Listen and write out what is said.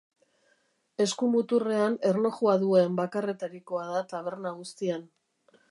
Eskumuturrean erlojua duen bakarretarikoa da taberna guztian.